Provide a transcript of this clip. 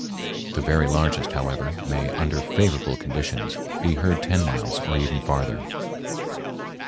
The very largest, however, may under favorable conditions be heard ten miles or even farther.